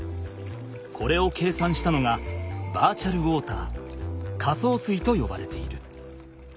これを計算したのがバーチャルウォーター仮想水とよばれている。